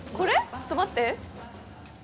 ちょっと待って。